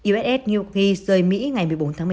uss newgate rời mỹ ngày một mươi bốn